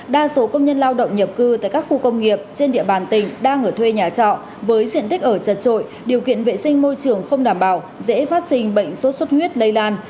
đa số công nhân lao động nhập cư tại các khu công nghiệp trên địa bàn tỉnh đang ở thuê nhà trọ với diện tích ở chật trội điều kiện vệ sinh môi trường không đảm bảo dễ phát sinh bệnh sốt xuất huyết lây lan